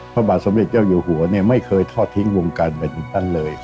พระบาทสมกุฎิเจ้าอยู่หัวไม่เคยทอดทิ้งวงการเบมตั้นเลย